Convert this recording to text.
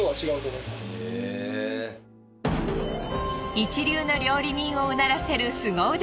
一流の料理人を唸らせる凄腕